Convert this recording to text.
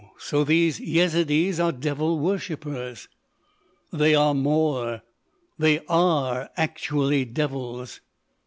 So these Yezidees are devil worshipers!" "They are more. They are actually devils."